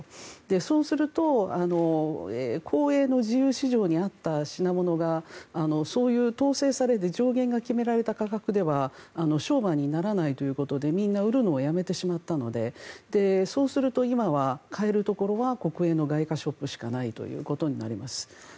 そうすると公営の自由市場にあった品物がそういう統制されて上限が決められた価格では商売にならないということでみんな売るのをやめてしまったのでそうすると、今は買えるところは国営の外貨ショップしかないということになります。